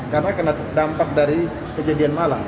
karena kena dampak dari kejadian malam